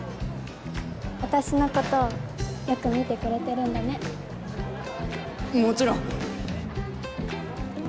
私のことよく見てくれてるんだねもちろん！